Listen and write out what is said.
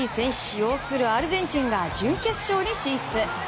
擁するアルゼンチンが準決勝に進出。